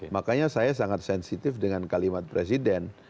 makanya saya sangat sensitif dengan kalimat presiden